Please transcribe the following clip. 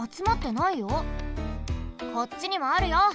こっちにもあるよ。